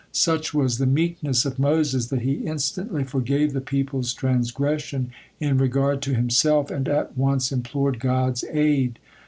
Such was the meekness of Moses, that he instantly forgave the people's transgression in regard to himself, and at once implored God's aid.